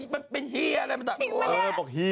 มันแปลว่าอะไรคำนี้ทำให้มีบทสนธนาต่อได้